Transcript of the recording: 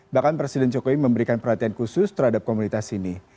bahkan presiden jokowi memberikan perhatian khusus terhadap komunitas ini